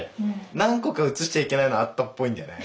何個かうつしちゃいけないのあったっぽいんだよね